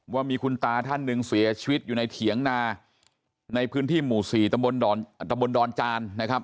ว่ามีคุณตาท่านหนึ่งเสียชีวิตอยู่ในเถียงนาในพื้นที่หมู่๔ตำบลดอนจานนะครับ